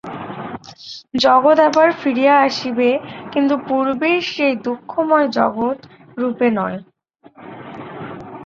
জগৎ আবার ফিরিয়া আসিবে, কিন্তু পূর্বের সেই দুঃখময় জগৎ-রূপে নয়।